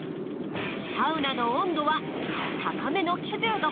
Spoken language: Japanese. サウナの温度は高めの９０度。